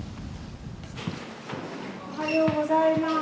おはようございます。